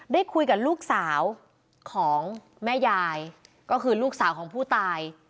ได้คุยกับลูกสาวของแม่ยายก็คือลูกสาวของผู้ตาย